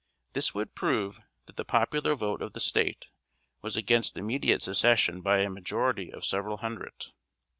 This would prove that the popular vote of the State was against immediate Secession by a majority of several hundred.